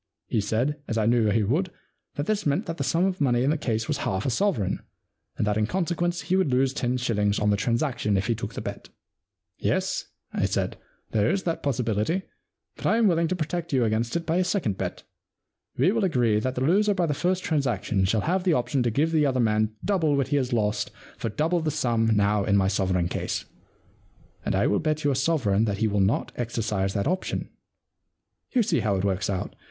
He said, as I knew he would, that this meant that the sum of money in the case was half a sovereign, and that in consequence he would lose ten shillings on the transaction if he took the bet. * Yes,'* I said, " there is that possibility, but I am willing to protect you against it by a second bet. We will agree that the loser by the first transaction shall have the option to give the other man double what 78 The Win and Lose Problem he has lost for double the sum now in my sovereign case. And I will bet you a sovereign that he will not exercise that option. You see how it works out.